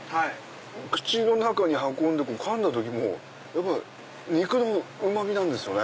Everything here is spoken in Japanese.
口の中に運んでかんだ時も肉のうまみなんですよね。